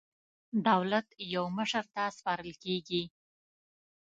دولت یو مشر ته سپارل کېږي.